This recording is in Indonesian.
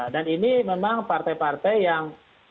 dan ini memang partai partai yang